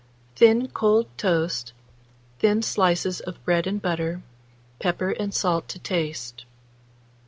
Thin cold toast, thin slices of bread and butter, pepper and salt to taste.